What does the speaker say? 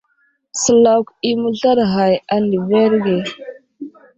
Səlakw i məslaɗ ghay a ndəverge.